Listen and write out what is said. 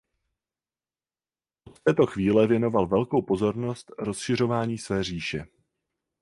Od této chvíle věnoval velkou pozornost rozšiřování své říše.